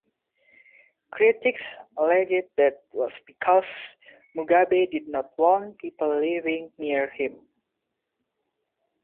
Critics alleged that was because Mugabe did not want people living near him.